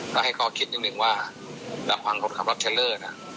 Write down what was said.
ก็ให้เขาคิดอย่างหนึ่งว่าแบบพังคนขับรถเชลล์